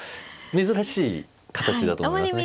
珍しい形だと思いますね。